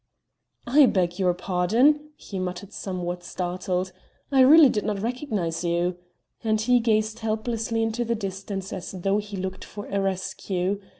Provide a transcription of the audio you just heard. "I beg your pardon," he muttered somewhat startled, "I really did not recognize you," and he gazed helplessly into the distance as though he looked for a rescue.